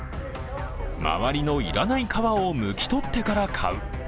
周りの要らない皮をむきとってから買う。